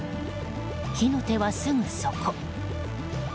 火の手は、すぐそこ。